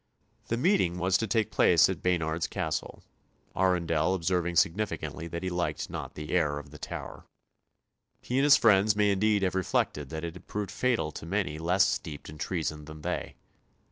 The meeting was to take place at Baynard's Castle, Arundel observing significantly that he liked not the air of the Tower. He and his friends may indeed have reflected that it had proved fatal to many less steeped in treason than they.